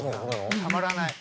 たまらない。